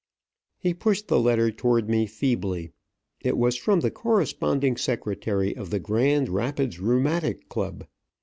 He pushed the letter toward me feebly. It was from the corresponding secretary of the Grand Rapids Rheumatic Club.